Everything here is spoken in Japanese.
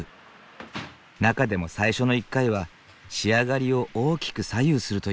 中でも最初の一回は仕上がりを大きく左右するという。